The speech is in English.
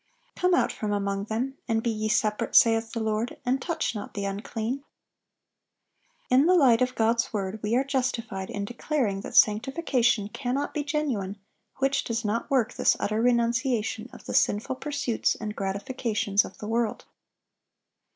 "Come out from among them, and be ye separate, saith the Lord, and touch not the unclean." In the light of God's word we are justified in declaring that sanctification cannot be genuine which does not work this utter renunciation of the sinful pursuits and gratifications of the world.